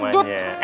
aneh ya allah